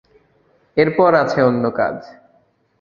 এরপর আছে অন্য কাজ।